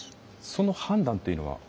その判断っていうのは？